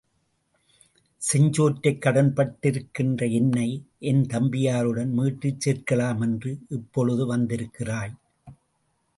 செஞ்சோற்றுக் கடன்பட்டிருக்கின்ற என்னை என் தம்பியருடன் மீட்டுச் சேர்க்கலாம் என்று இப்பொழுது வந்திருக்கிறாய்.